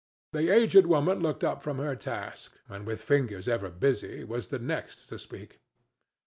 The aged woman looked up from her task, and with fingers ever busy was the next to speak.